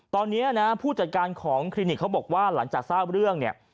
ตอนนี้นะผู้จัดการของคลินิกเขาบอกว่าหลังจากทราบเรื่องเนี่ย